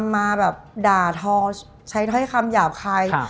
มาแบบด่าทอใช้ถ้อยคำหยาบคาย